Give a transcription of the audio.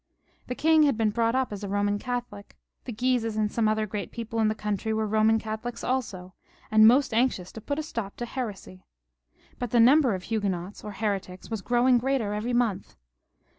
The king had been brought up as a Boman Catholic, the Guises and some other great people in the country were Boman Catholics also, and most anxious to put a stop to heresy. But the number of Huguenots or heretics was growing greater every month.